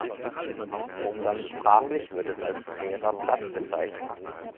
Umgangssprachlich wird es als „"Trierer Platt"“ bezeichnet.